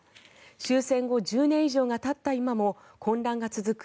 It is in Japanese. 終戦後１０年以上がたった今も混乱が続く